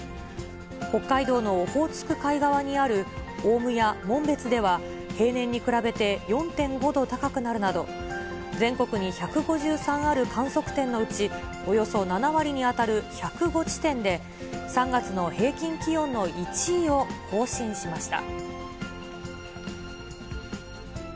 北海道のオホーツク海側にある雄武や紋別では、平年に比べて４．５度高くなるなど、全国に１５３ある観測点のうち、およそ７割に当たる１０５地点で３月の平均気温の１位を更新しました。